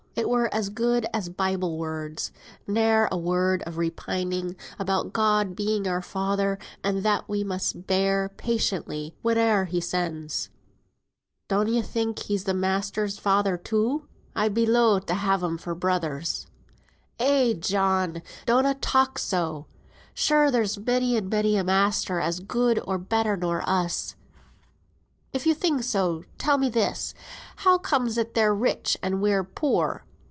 It were as good as Bible words; ne'er a word o' repining; a' about God being our Father, and that we mun bear patiently whate'er He sends." "Don ye think He's th' masters' Father, too? I'd be loath to have 'em for brothers." "Eh, John! donna talk so; sure there's many and many a master as good or better nor us." "If you think so, tell me this. How comes it they're rich, and we're poor?